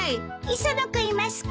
磯野君いますか？